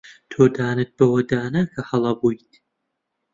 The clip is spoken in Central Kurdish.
تۆ دانت بەوەدا نا کە هەڵە بوویت.